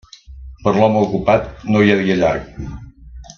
Per l'home ocupat, no hi ha dia llarg.